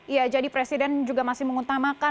ya jadi presiden juga masih mengutamakan